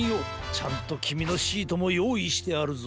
ちゃんときみのシートもよういしてあるぞ。